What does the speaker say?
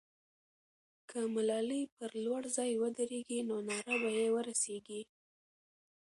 که ملالۍ پر لوړ ځای ودرېږي، نو ناره به یې ورسېږي.